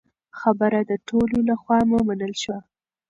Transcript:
خبره د ټولو له خوا ومنل شوه.